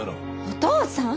お父さん！